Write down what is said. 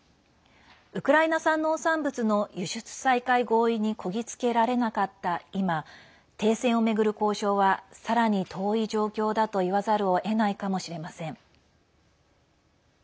ウクライナ産農産物の輸出再開合意にこぎ着けられなかった今停戦を巡る交渉はさらに遠い状況だといわざるをえないかもしれません。